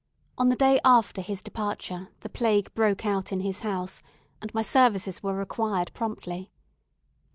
On the day after his departure, the plague broke out in his house, and my services were required promptly.